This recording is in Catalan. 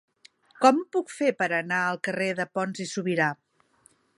Com ho puc fer per anar al carrer de Pons i Subirà?